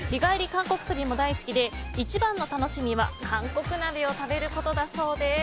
韓国旅も大好きで一番の楽しみは韓国鍋を食べることだそうです。